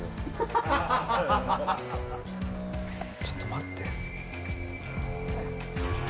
ちょっと待って。